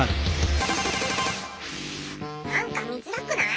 なんか見づらくない？